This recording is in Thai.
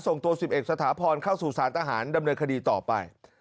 ส่งตัว๑๑สถาพรเข้าสู่สารทหารดำเนินคดีต่อไป